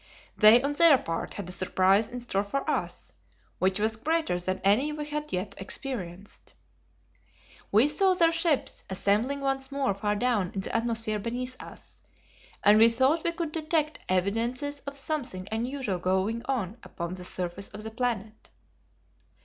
They on their part had a surprise in store for us, which was greater than any we had yet experienced. We saw their ships assembling once more far down in the atmosphere beneath us, and we thought we could detect evidences of something unusual going on upon the surface of the planet.